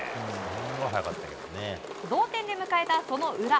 同点で迎えたその裏。